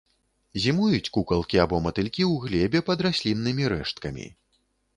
Зімуюць кукалкі або матылькі ў глебе пад расліннымі рэшткамі.